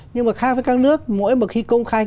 nhưng mà khác với các nước mỗi một khi công khai